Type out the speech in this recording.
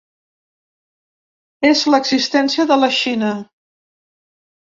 És l’existència de la Xina.